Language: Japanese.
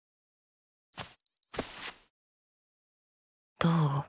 どう？